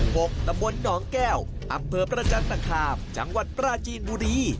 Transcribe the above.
ตำบลหนองแก้วอำเภอประจันตคามจังหวัดปราจีนบุรี